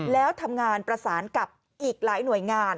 แล้วทำงานประสานกับอีกหลายหน่วยงาน